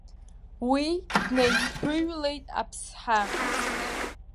Уи днаиԥыҩлеит аԥсҳа.